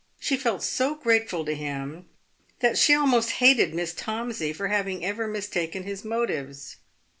She felt so grateful to him that she almost hated Miss Tomsey for having ever mistaken his motives.